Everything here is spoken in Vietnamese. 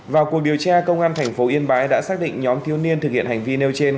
vào cuộc điều tra công an thành phố yên bái đã xác định nhóm thiếu niên thực hiện hành vi nêu trên